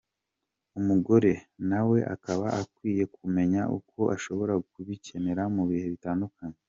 Umugore nawe aba akwiye kubimenya kuko ashobora kubikenera mu bihe bitandukanye.